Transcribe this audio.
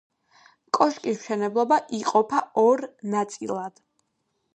კოშკის მშენებლობა იყოფა ორ ნაწილად.